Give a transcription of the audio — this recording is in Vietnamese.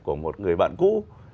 của một người bạn cũ